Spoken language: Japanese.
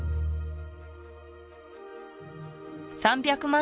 ３００万